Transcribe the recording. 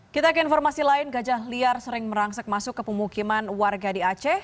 kita ke informasi lain gajah liar sering merangsek masuk ke pemukiman warga di aceh